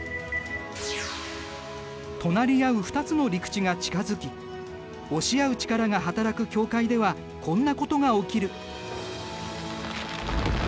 隣り合う２つの陸地が近づき押し合う力が働く境界ではこんなことが起きる。